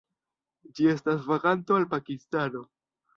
Ĝi estas vaganto al Pakistano.